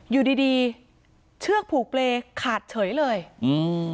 อยู่ดีดีเชือกผูกเปรย์ขาดเฉยเลยอืม